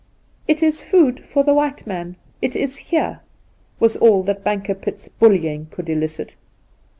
' It is food for the white man. It is here!' was all that Bankerpitt's bullying could elicit.